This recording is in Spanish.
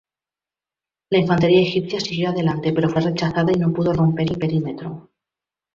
La infantería egipcia siguió adelante, pero fue rechazada y no pudo romper el perímetro.